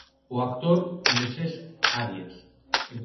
O actor Moisés Arias.